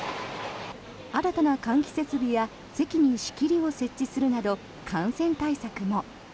新たな換気設備や席に仕切りを設置するなど感染対策も。